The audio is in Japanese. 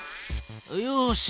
よし。